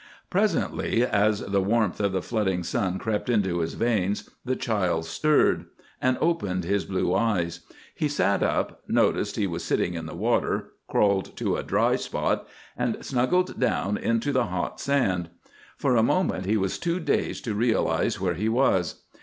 Presently, as the warmth of the flooding sun crept into his veins, the child stirred, and opened his blue eyes. He sat up, noticed he was sitting in the water, crawled to a dry spot, and snuggled down into the hot sand. For the moment he was too dazed to realize where he was.